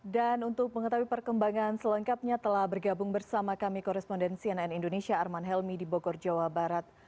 dan untuk mengetahui perkembangan selengkapnya telah bergabung bersama kami korespondensi nn indonesia arman helmi di bogor jawa barat